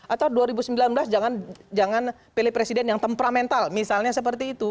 atau dua ribu sembilan belas jangan pilih presiden yang temperamental misalnya seperti itu